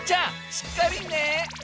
しっかりね！